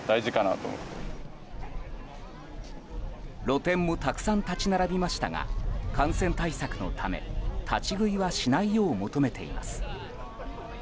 露店もたくさん立ち並びましたが感染対策のため、立ち食いはしないよう求めています。